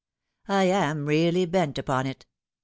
" I am really bent upon it."